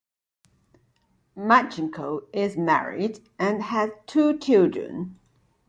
Marchenko is married and has two children.